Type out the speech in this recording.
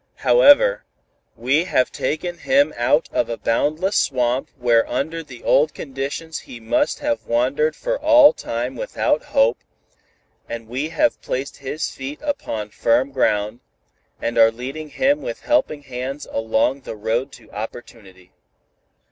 However, we have taken him out of a boundless swamp where under the old conditions he must have wandered for all time without hope, and we have placed his feet upon firm ground, and are leading him with helping hands along the road of opportunity.